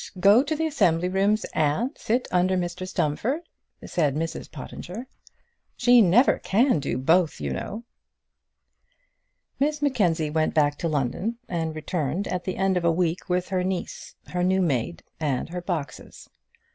go to the assembly rooms, and sit under Mr Stumfold!" said Mrs Pottinger. "She never can do both, you know." Miss Mackenzie went back to London, and returned at the end of a week with her niece, her new maid, and her boxes.